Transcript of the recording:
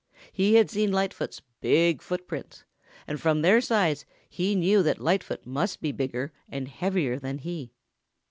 He had seen Lightfoot's big footprints, and from their size he knew that Lightfoot must be bigger and heavier than he.